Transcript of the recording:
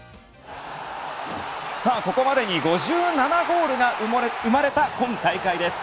ここまでに５７ゴールが生まれた今大会です。